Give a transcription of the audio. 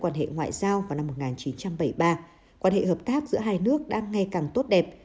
quan hệ ngoại giao vào năm một nghìn chín trăm bảy mươi ba quan hệ hợp tác giữa hai nước đang ngày càng tốt đẹp